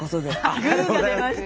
グーが出ました。